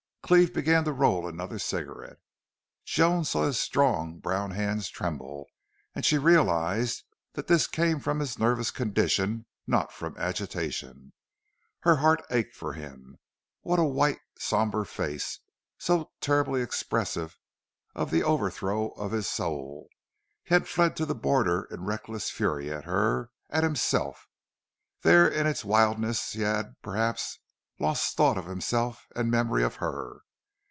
Cleve began to roll another cigarette. Joan saw his strong, brown hands tremble, and she realized that this came from his nervous condition, not from agitation. Her heart ached for him. What a white, somber face, so terribly expressive of the overthrow of his soul! He had fled to the border in reckless fury at her at himself. There in its wildness he had, perhaps, lost thought of himself and memory of her.